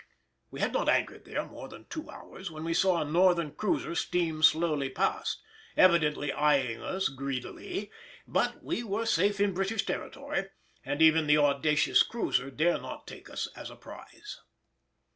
We had not anchored there more than two hours when we saw a Northern cruiser steam slowly past, evidently eyeing us greedily; but we were safe in British territory, and even the audacious cruiser dare not take us as a prize.